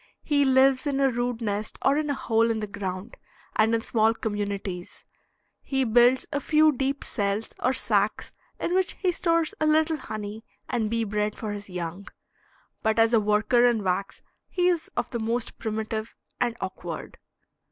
He lives in a rude nest or in a hole in the ground, and in small communities; he builds a few deep cells or sacks in which he stores a little honey and bee bread for his young, but as a worker in wax he is of the most primitive and awkward.